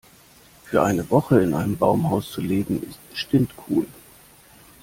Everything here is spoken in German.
Für eine Woche in einem Baumhaus zu leben, ist bestimmt cool.